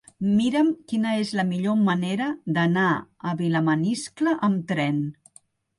Mira'm quina és la millor manera d'anar a Vilamaniscle amb tren.